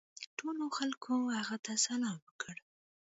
ټولو خلکو هغه ته سلام وکړ.